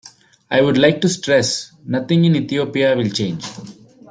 I would like to stress, nothing in Ethiopia will change.